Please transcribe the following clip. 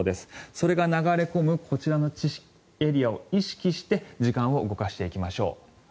それが流れ込むこちらのエリアを意識して時間を動かしてみましょう。